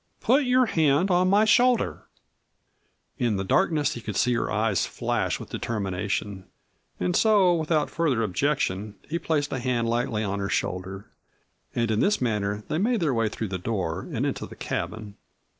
Put your hand on my shoulder!" In the darkness he could see her eyes flash with determination, and so without further objection he placed a hand lightly on her shoulder, and in this manner they made their way through the door and into the cabin.